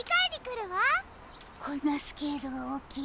こんなスケールがおおきい